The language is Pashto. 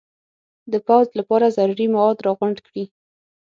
د پوځ لپاره ضروري مواد را غونډ کړي.